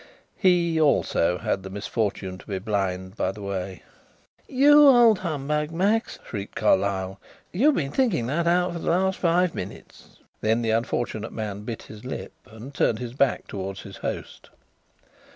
"He, also, had the misfortune to be blind, by the way." "You old humbug, Max!" shrieked Carlyle, "you've been thinking that out for the last five minutes." Then the unfortunate man bit his lip and turned his back towards his host.